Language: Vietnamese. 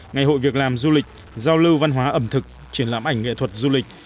ngày hội việc làm du lịch giao lưu văn hóa ẩm thực triển lãm ảnh nghệ thuật du lịch